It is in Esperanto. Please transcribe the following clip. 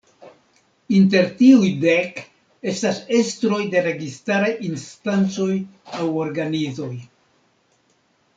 Inter tiuj dek estas estroj de registaraj instancoj aŭ organizoj.